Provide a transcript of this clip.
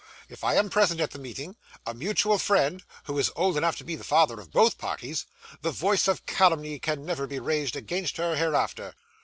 If I am present at the meeting a mutual friend, who is old enough to be the father of both parties the voice of calumny can never be raised against her hereafter.